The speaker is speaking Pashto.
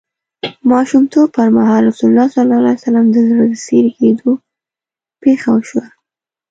ماشومتوب پر مهال رسول الله ﷺ د زړه د څیری کیدو پېښه وشوه.